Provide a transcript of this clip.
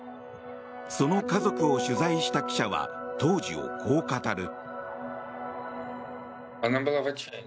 その家族を取材した記者は当時をこう語る。